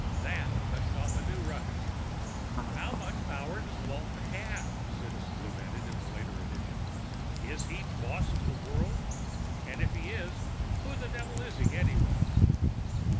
That touched off a new ruckus. "How much power does Walton have?" Citizen demanded in a later edition. "Is he the boss of the world? And if he is, who the devil is he anyway?"